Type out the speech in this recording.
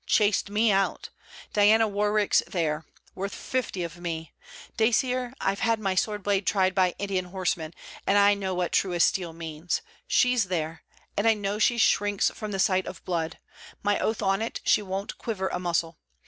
Chased me out. Diana Warwick's there: worth fifty of me! Dacier, I've had my sword blade tried by Indian horsemen, and I know what true as steel means. She's there. And I know she shrinks from the sight of blood. My oath on it, she won't quiver a muscle!